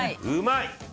うまい！